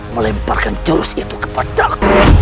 melemparkan terus itu ke padang